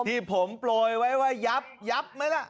ที่ผมโปรยไว้ว่ายับยับไหมล่ะ